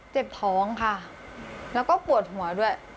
เจ็บท้องค่ะแล้วก็ปวดหัวด้วย